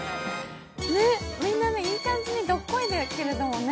みんないい感じにどっこいだもんね。